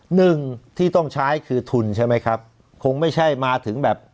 หนึ่งที่ต้องใช้คือทุนใช่ไหมครับคงไม่ใช่มาถึงแบบ